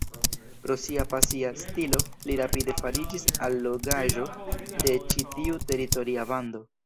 Pro sia pasia stilo li rapide fariĝis allogaĵo de ĉi tiu teritoria bando.